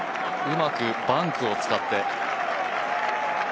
うまくバンクを使って。